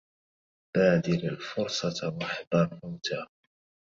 بادر الفرصة واحذر فوتها